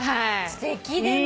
すてきでも。